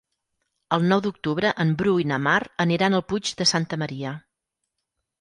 El nou d'octubre en Bru i na Mar aniran al Puig de Santa Maria.